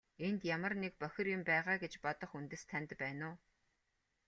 Энд ямар нэг бохир юм байгаа гэж бодох үндэс танд байна уу?